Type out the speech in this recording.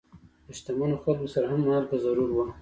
د شتمنو خلکو سره هم مالګه ضرور وه.